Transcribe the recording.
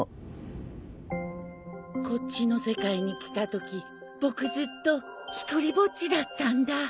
こっちの世界に来たとき僕ずっと独りぼっちだったんだ。